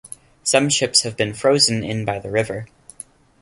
Some ships have been frozen in by the river.